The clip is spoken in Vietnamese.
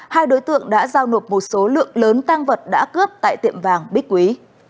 hai đối tượng đã giao nộp một số lượng lớn tang vật đã cướp tại tiệm vàng bích quý